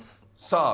さあ